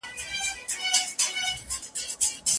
د { لَعَلَّكُمْ تَعْقِلُونَ } له ذکر څخه د عقل ارزښت ته اشاره ده.